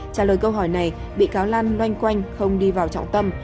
trả lời câu hỏi này bị cáo lan loanh quanh không đi vào trọng tâm